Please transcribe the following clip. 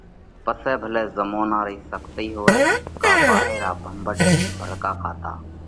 پسئہ ڀلئہ زمونا ري سختي هوئہ ڪا ڀاهي را ڀنڀٽ ڀڙڪا کاتا